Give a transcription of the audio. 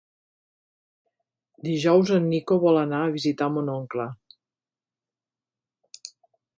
Dijous en Nico vol anar a visitar mon oncle.